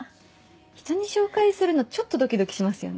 人に紹介するのちょっとドキドキしますよね。